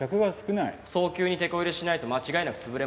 早急にてこ入れしないと間違いなく潰れますよ。